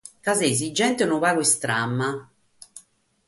Ca seis gente unu pagu istrana.